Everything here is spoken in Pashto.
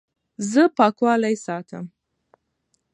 زه پاکوالی ساتم.